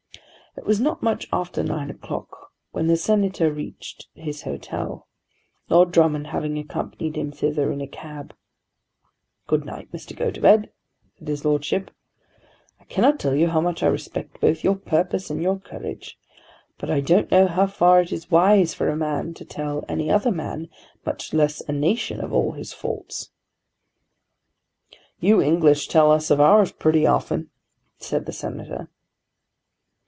It was not much after nine o'clock when the Senator reached his hotel, Lord Drummond having accompanied him thither in a cab. "Good night, Mr. Gotobed," said his Lordship. "I cannot tell you how much I respect both your purpose and your courage; but I don't know how far it is wise for a man to tell any other man, much less a nation, of all his faults." "You English tell us of ours pretty often," said the Senator.